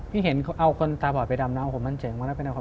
พี่เห็นเอาคนตาบ่อยไปดำเนาผมมันเจ๋งมากครับ